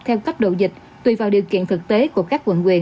theo cấp độ dịch tùy vào điều kiện thực tế của các quận quyền